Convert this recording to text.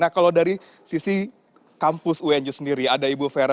nah kalau dari sisi kampus unj sendiri ada ibu vera